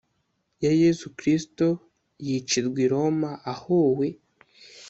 ya yezu kristu yicirwa i roma ahowe